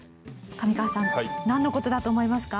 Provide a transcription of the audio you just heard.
上川さんなんの事だと思いますか？